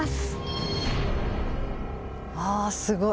あすごい。